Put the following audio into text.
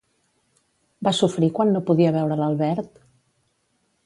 Va sofrir quan no podia veure l'Albert?